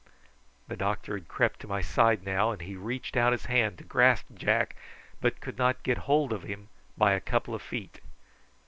The doctor had crept to my side now, and he reached out his hand to grasp Jack, but could not get hold of him by a couple of feet.